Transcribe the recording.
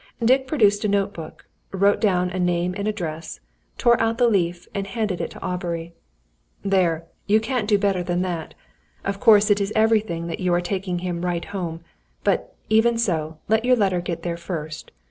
Dick produced a note book, wrote down a name and address, tore out the leaf, and handed it to Aubrey. "There! You can't do better than that. Of course it is everything that you are taking him right home. But, even so, let your letter get there first.